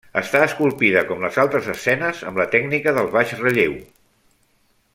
Està esculpida, com les altres escenes, amb la tècnica del baix relleu.